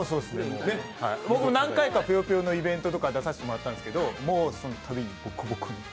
僕何回かぷよぷよのイベントとか出させてもらったんですけど、もうそのたびに。